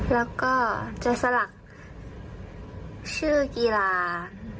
แล้วก็จะสลักชื่อกีฬา